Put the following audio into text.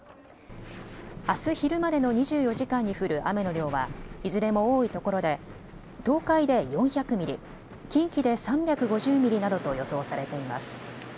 あす昼までの２４時間に降る雨の量はいずれも多いところで東海で４００ミリ、近畿で３５０ミリなどと予想されています。